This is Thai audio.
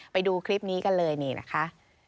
ไปดูคลิปนี้กันเลยนี่นะคะ